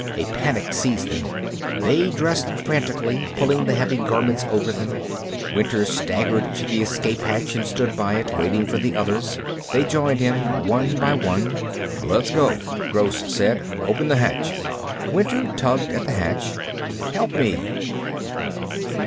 A panic seized them. They dressed frantically, pulling the heavy garments over them. Winter staggered to the escape hatch and stood by it, waiting for the others. They joined him, one by one. "Let's go!" Gross said. "Open the hatch." Winter tugged at the hatch. "Help me."